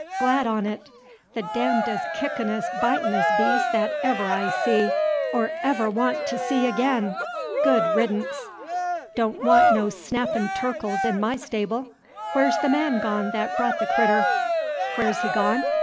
"Glad on 't! The darndest, kickin'est, bitin'est beast th't ever I see, 'r ever wan' t' see ag'in! Good reddance! Don' wan' no snappin' turkles in my stable! Whar's the man gone th't brought the critter?" "Whar he's gone?